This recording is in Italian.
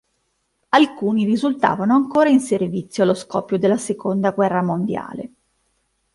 Alcuni risultavano ancora in servizio allo scoppio della seconda guerra mondiale.